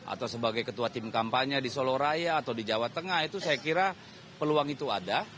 atau sebagai ketua tim kampanye di solo raya atau di jawa tengah itu saya kira peluang itu ada